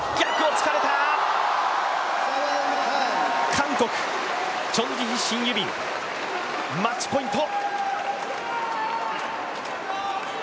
韓国、チョン・ジヒシン・ユビンマッチポイント。